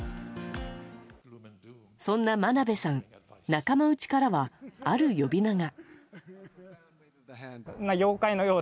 そんな真鍋さん、仲間内からはある呼び名が。